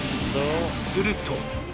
すると。